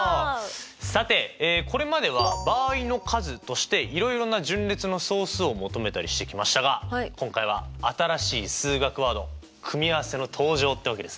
さてこれまでは場合の数としていろいろな順列の総数を求めたりしてきましたが今回は新しい数学ワード組合せの登場ってわけですね。